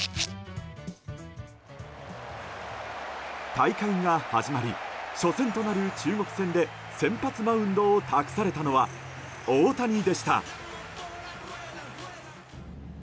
大会が始まり初戦となる中国戦で先発マウンドを託されたのは大谷でした。